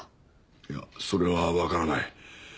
いやそれはわからない。